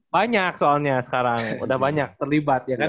banyak soalnya sekarang udah banyak terlibat ya kan